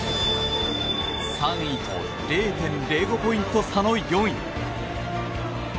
３位と０．０５ポイント差の４位。